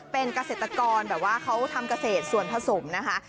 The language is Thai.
เป็นเกษตรกรแบบว่าเขาทำเกษตรส่วนผสมนะคะ